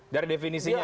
dari definisinya ya